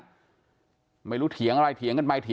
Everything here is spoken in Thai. จนกระทั่งหลานชายที่ชื่อสิทธิชัยมั่นคงอายุ๒๙เนี่ยรู้ว่าแม่กลับบ้าน